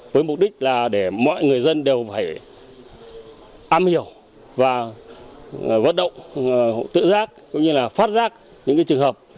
với mục đích là để mọi người dân đều phải am hiểu và vận động tự giác cũng như là phát giác những trường hợp